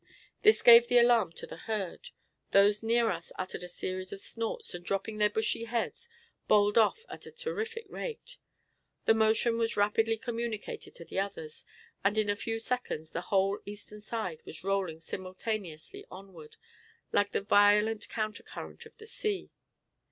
This gave the alarm to the herd. Those near us uttered a series of snorts, and dropping their bushy heads, bowled off at a terrific rate. The motion was rapidly communicated to the others, and in a few seconds the whole eastern side was rolling simultaneously onward, like the violent countercurrent of the sea.